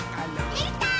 できたー！